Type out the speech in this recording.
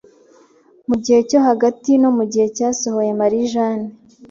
mu gihe cyo hagati no mu gihe cyasohoye Marijane